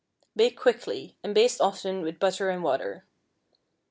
Bake quickly, and baste often with butter and water.